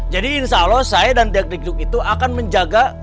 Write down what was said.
jadi insya allah saya dan dakdikduk itu akan menjaga